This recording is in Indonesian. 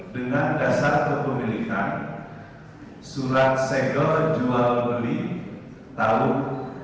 dengan dasar kepemilikan surat segel jual beli tahun seribu sembilan ratus tiga puluh